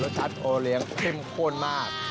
รสชาติโหเลียงเข้มข้นมาก